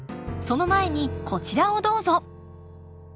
その前にこちらをどうぞ。